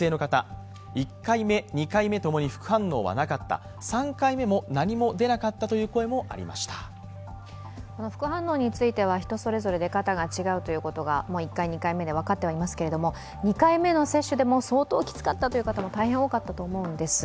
ワクチンの３回目接種というところなんですが副反応については人それぞれで型が違うということが１回、２回目で分かってはいますけれど２回目の接種でも相当きつかったという方も大変多かったと思うんです。